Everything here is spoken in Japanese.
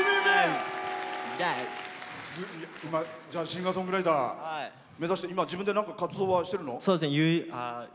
シンガーソングライター目指して今、自分でなんか活動はしてるの？